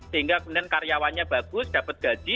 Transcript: sehingga kemudian karyawannya bagus dapat gaji